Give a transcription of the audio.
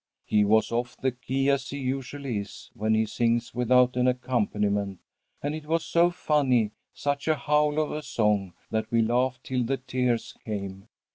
"He was off the key, as he usually is when he sings without an accompaniment, and it was so funny, such a howl of a song, that we laughed till the tears came.